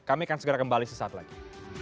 kami akan segera kembali sesaat lagi